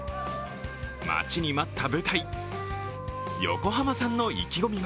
待ちに待った舞台、横浜さんの意気込みは